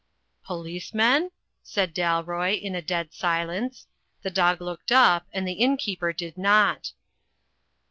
"Policemen?" said Dalroy, in a dead silence. The dog looked up, and the innkeeper did not.